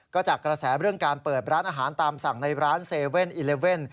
ก็จากกระแสเรื่องการเปิดร้านอาหารตามสั่งในร้าน๗๑๑